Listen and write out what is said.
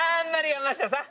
山下さん。